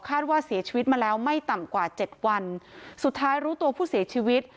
ว่าเสียชีวิตมาแล้วไม่ต่ำกว่าเจ็ดวันสุดท้ายรู้ตัวผู้เสียชีวิต